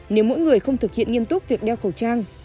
nếu mỗi người không thực hiện nghiêm túc việc đeo khẩu trang